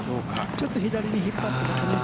ちょっと左に引っ張ってますね。